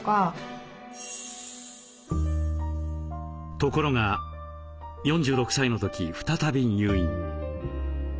ところが４６歳の時再び入院。